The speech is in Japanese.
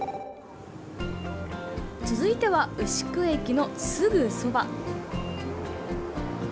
続いては、牛久駅のすぐそば。